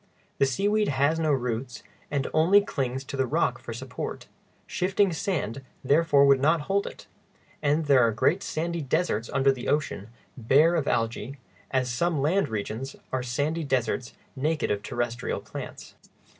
The seaweed has no roots, and only clings to the rock for support; shifting sand therefore would not hold it, and there are great sandy deserts under the ocean, bare of algæ, as some land regions are sandy deserts naked of terrestrial plants.